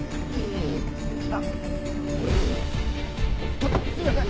ちょっとすいません。